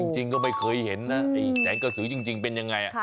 จริงก็ไม่เคยเห็นแสงก็สือจริงเป็นอย่างไร